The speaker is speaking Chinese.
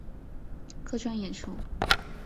客串演出